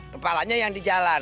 kepalanya yang di belakang